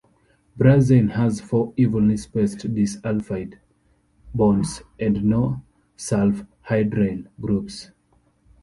Brazzein has four evenly spaced disulfide bonds and no sulfhydryl groups.